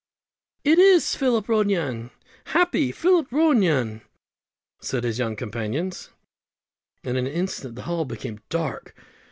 "It is Philip Ronayne happy Philip Ronayne," said his young companions; and in an instant the hall became dark.